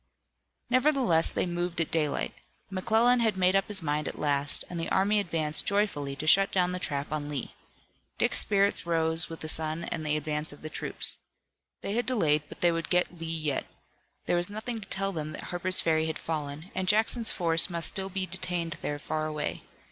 Nevertheless they moved at daylight. McClellan had made up his mind at last, and the army advanced joyfully to shut down the trap on Lee. Dick's spirits rose with the sun and the advance of the troops. They had delayed, but they would get Lee yet. There was nothing to tell them that Harper's Ferry had fallen, and Jackson's force must still be detained there far away.